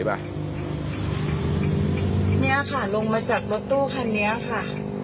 นี่ค่ะลงมาจากรถตู้คันนี้ค่ะ